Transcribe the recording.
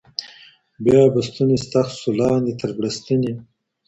بيا به ستوني ستغ سو لاندي تر بړستني